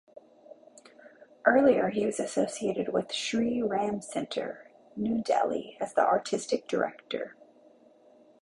Earlier, he was associated with Shri Ram Centre, New Delhi as the artistic director.